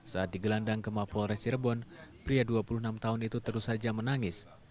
saat digelandang ke mapol resirebon pria dua puluh enam tahun itu terus saja menangis